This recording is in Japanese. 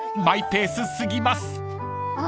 マイペース過ぎます］